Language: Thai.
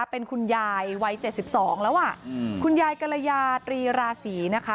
เป็นคุณยายวัยเจ็ดสิบสองแล้วอ่ะคุณยายกรยาธรีราศรีนะคะ